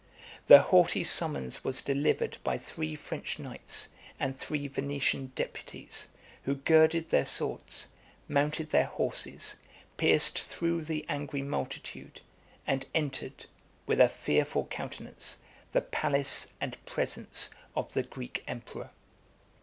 The haughty summons was delivered by three French knights and three Venetian deputies, who girded their swords, mounted their horses, pierced through the angry multitude, and entered, with a fearful countenance, the palace and presence of the Greek emperor.